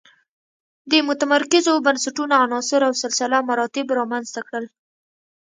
د متمرکزو بنسټونو عناصر او سلسله مراتب رامنځته کړل.